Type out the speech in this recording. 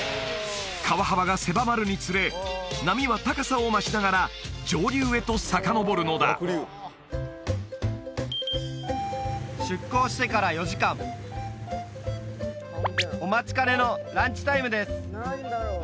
川幅が狭まるにつれ波は高さを増しながら上流へとさかのぼるのだ出航してから４時間お待ちかねのランチタイムです